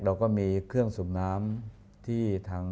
อเรนนี่แหละอเรนนี่แหละ